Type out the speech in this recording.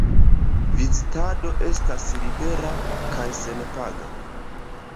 Vizitado estas libera kaj senpaga.